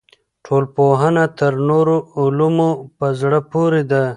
ټولنپوهنه تر نورو علومو په زړه پورې ده.